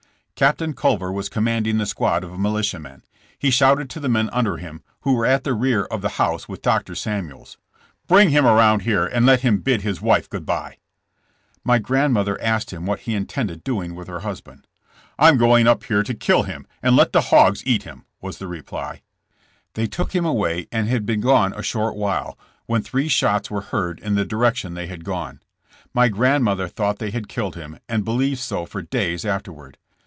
Captain Culver was commanding the squad of militiamen. He shouted to the men under him, who were at the rear of the house with Dr. Samuels : "Bring him around here and let him bid his wife good bye." My grandmother asked him what he intended doing with her husband. so JESSK JAMES. "I'm going up here to kill him and let the hogs eat him, '' was the reply. They took him away and had been gone a short while, when three shots were heard in the direction they had gone. My grandmother thought they had killed him, and believed so for days afterward.